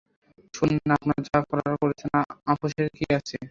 শোনেন, আপনার যা করার করেছে, আপোসের কি আছে?